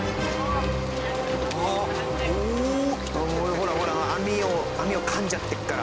ほらほら網を網を噛んじゃってるから。